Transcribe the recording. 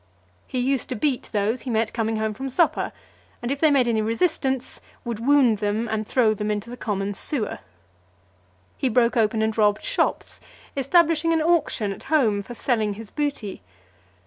He used to beat those he met coming home from supper; and, if they made any resistance, would wound them, and throw them into the common sewer. He broke open and robbed shops; establishing an auction at home for selling his booty.